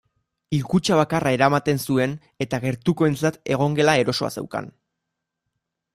Hilkutxa bakarra eramaten zuen eta gertukoentzat egongela erosoa zeukan.